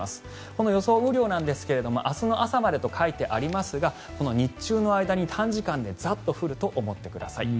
この予想雨量なんですが明日の朝までと書いてありますが日中の間に短時間でザッと降ると思ってください。